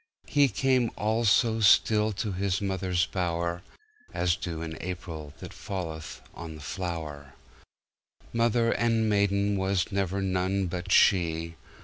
He came all so stillTo His mother's bower, As dew in AprilThat falleth on the flower. Mother and maidenWas never none but she!